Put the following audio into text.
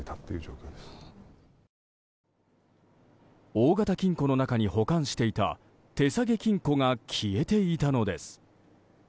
大型金庫の中に保管していた手提げ金庫が消えていたのです。